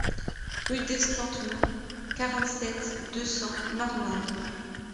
Rue d'Escanteloup, quarante-sept, deux cents Marmande